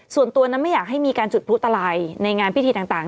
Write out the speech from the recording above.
ส่วนตัวนั้นไม่อยากให้มีการจุดพลุตลัยในงานพิธีต่าง